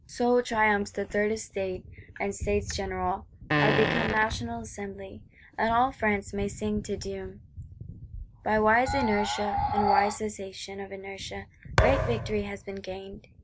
So triumphs the Third Estate; and States General are become National Assembly; and all France may sing Te Deum. By wise inertia, and wise cessation of inertia, great victory has been gained.